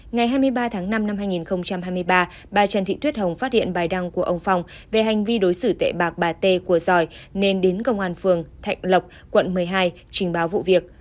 ngày hai mươi ba tháng năm năm hai nghìn hai mươi ba bà trần thị tuyết hồng phát hiện bài đăng của ông phong về hành vi đối xử tệ bạc bà t của giỏi nên đến công an phường thạnh lộc quận một mươi hai trình báo vụ việc